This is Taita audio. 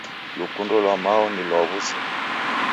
Lukundo lwa mao ni lwa wuzima.